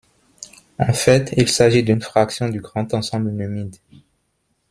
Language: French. En fait, il s'agit d'une fraction du grand ensemble numide.